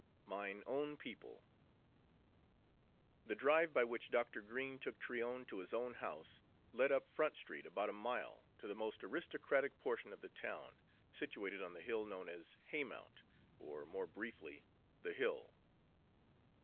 XV MINE OWN PEOPLE The drive by which Dr. Green took Tryon to his own house led up Front Street about a mile, to the most aristocratic portion of the town, situated on the hill known as Haymount, or, more briefly, "The Hill."